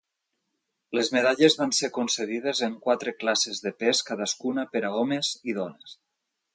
Les medalles van ser concedides en quatre classes de pes cadascuna per a homes i dones.